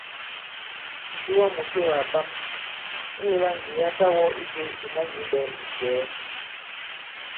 Ǹdugamùtowà à ɓam ; ìnyula ndi a ta wɔ ite ìna nyũɓɛ ì njɛ̀ɛ.